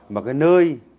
mà cái nơi